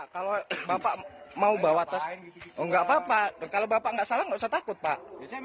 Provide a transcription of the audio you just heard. kalau bapak mau bawa tas oh nggak apa apa kalau bapak nggak salah nggak usah takut pak